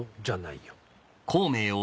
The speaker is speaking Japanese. じゃないよ。